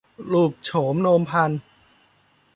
รูปโฉมโนมพรรณ